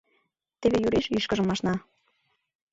Теве Юриш ӱшкыжым ашна.